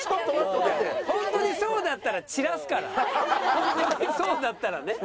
ホントにそうだったらね。